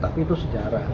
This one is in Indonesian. tapi itu sejarah